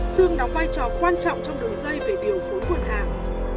sương đóng vai trò quan trọng trong đường dây về điều phối nguồn hàng